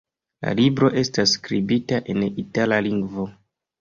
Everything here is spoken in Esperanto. La libro estas skribita en itala lingvo.